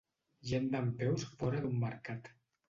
Gent dempeus fora d'un mercat.